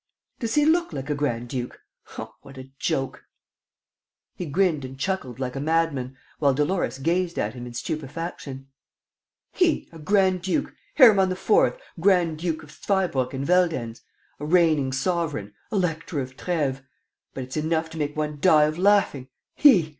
Does he look like a grand duke? Oh, what a joke!" He grinned and chuckled like a madman, while Dolores gazed at him in stupefaction: "He, a grand duke! Hermann IV., Grand duke of Zweibrucken Veldenz! A reigning sovereign! Elector of Treves! But it's enough to make one die of laughing! He!